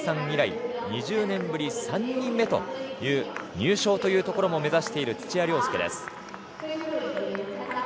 以来２０年ぶり、３人目の入賞というところも目指している土屋良輔です。